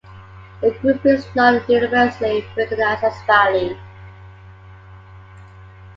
The grouping is not universally recognized as valid.